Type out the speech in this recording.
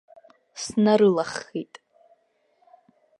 Снарылаххит.